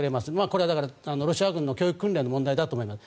これはロシア軍の教育訓練の問題だと思います。